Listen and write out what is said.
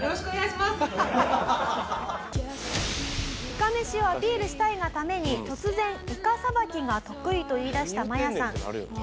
いかめしをアピールしたいがために突然いか捌きが得意と言いだしたマヤさん。